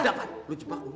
udah pak lo jebak dulu